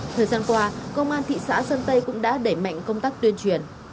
thời gian qua công an thị xã sơn tây cũng đã đẩy mạnh công tác tuyên truyền